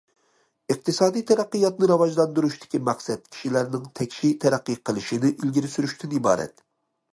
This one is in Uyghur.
ئىقتىسادىي تەرەققىياتنى راۋاجلاندۇرۇشتىكى مەقسەت، كىشىلەرنىڭ تەكشى تەرەققىي قىلىشىنى ئىلگىرى سۈرۈشتىن ئىبارەت.